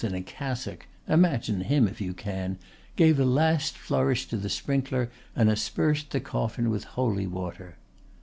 in a cassock imagine him if you can! gave a last flourish to the sprinkler and aspersed the coffin with holy water."